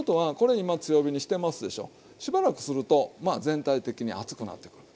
しばらくすると全体的に熱くなってくる。